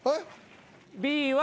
Ｂは。